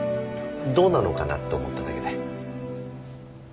どうなのかなって思っただけで。